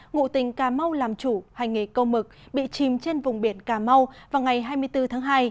ngụ tỉnh cà mau làm chủ hành nghề câu mực bị chìm trên vùng biển cà mau vào ngày hai mươi bốn tháng hai